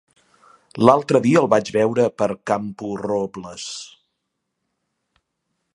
L'altre dia el vaig veure per Camporrobles.